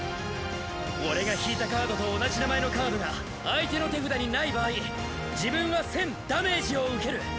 俺が引いたカードと同じ名前のカードが相手の手札にない場合自分は１０００ダメージを受ける。